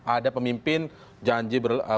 ada pemimpin janji begitu